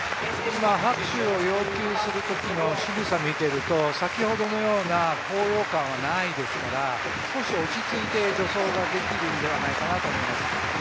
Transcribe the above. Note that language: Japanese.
今、拍手を要求するときのしぐさを見ていると先ほどのような高揚感はないですから、少し落ち着いて助走ができるのではないかなと思います。